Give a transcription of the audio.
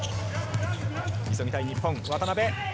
急ぎたい日本、渡邊。